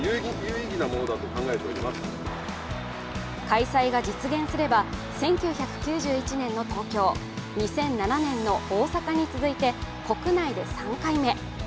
開催が実現すれば１９９１年の東京、２００７年の大阪に続いて国内で３回目。